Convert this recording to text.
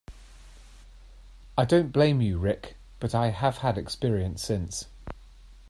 I don't blame you, Rick, but I have had experience since.